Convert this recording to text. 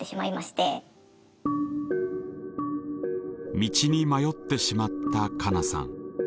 道に迷ってしまったカナさん。